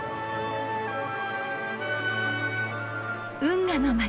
運河の街